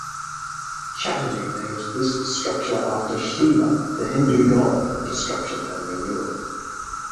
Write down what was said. Chatterjee named this structure after Shiva, the Hindu god of destruction and renewal.